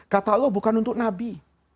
kata allah bukan untuk nabi